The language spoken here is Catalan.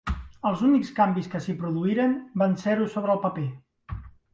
Els únics canvis que s'hi produïren van ser-ho sobre el paper